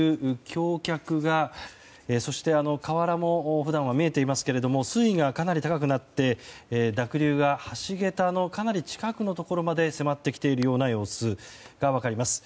橋脚がそして河原も普段は見えていますけど水位がかなり高くなって濁流が橋げたのかなり近くのところまで迫ってきているような様子が分かります。